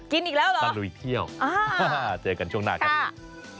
อีกแล้วเหรอตะลุยเที่ยวเจอกันช่วงหน้าครับ